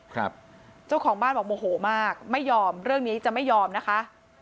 ครับเจ้าของบ้านบอกโมโหมากไม่ยอมเรื่องนี้จะไม่ยอมนะคะ